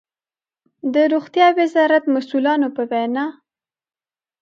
د روغتيا وزارت مسؤلانو په وينا